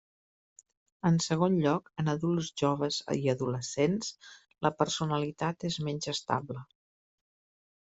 En segon lloc en adults joves i adolescents la personalitat és menys estable.